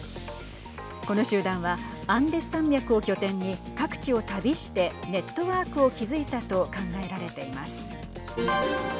この集団はアンデス山脈を拠点に各地を旅してネットワークを築いたと考えられています。